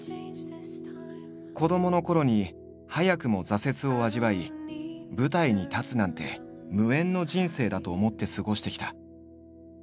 子どものころに早くも挫折を味わい舞台に立つなんて無縁の人生だと思って過ごしてきた。